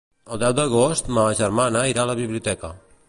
El deu d'agost ma germana irà a la biblioteca.